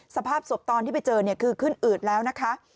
สภาพศพตอนที่ไปเจอเนี่ยคือขึ้นอืดแล้วนะคะ